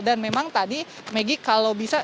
dan memang tadi maggie kalau bisa